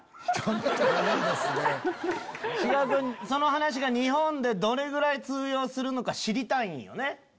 その話が日本でどれぐらい通用するのか知りたいんよね？